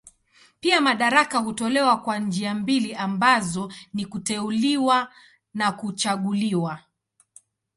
Pia madaraka hutolewa kwa njia mbili ambazo ni kuteuliwa na kuchaguliwa.